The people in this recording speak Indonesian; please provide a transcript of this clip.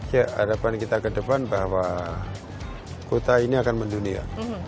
ya harapan kita ke depan bahwa kota ini akan mendunia